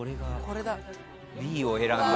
Ｂを選んだ。